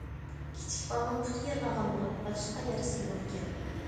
كىچىك بالىنىڭ پۇتى يارىلانغان بولۇپ، باشقا يارىسى يوقكەن.